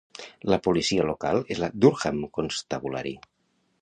La policia local és la Durham Constabulary.